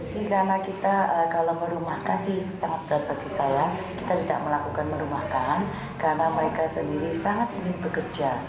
jadi karena kita kalau merumahkan sih sangat berat bagi saya kita tidak melakukan merumahkan karena mereka sendiri sangat ingin bekerja